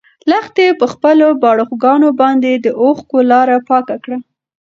لښتې په خپلو باړخوګانو باندې د اوښکو لاره پاکه کړه.